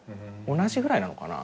同じぐらいなのかな？